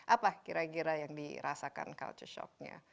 apa kira kira yang dirasakan culture shocknya